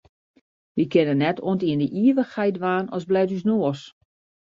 Wy kinne net oant yn de ivichheid dwaan as blet ús de noas.